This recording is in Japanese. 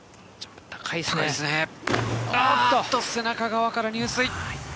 背中側から入水。